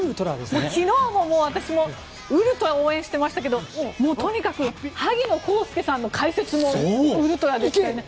昨日も私ウルトラ応援してましたけどとにかく萩野公介さんの解説もウルトラでしたよね。